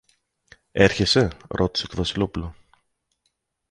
Έρχεσαι; ρώτησε το Βασιλόπουλο.